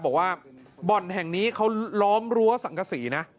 บอกว่าบ่อนแห่งนี้เขาล้อมรั้วสังกษีนะ